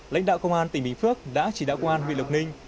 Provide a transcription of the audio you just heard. lãnh đạo công an tỉnh bình phước đã chỉ đạo quan huyện lộc ninh